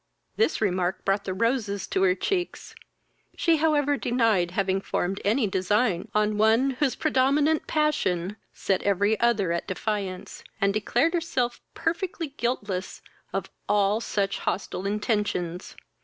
This remark brought the roses into her cheeks. She however denied having formed any designs on one whose predominant passion set every other at defiance, and declared herself perfectly guiltless of all such hostile intentions.